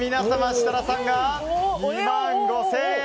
設楽さんが２万５０００円。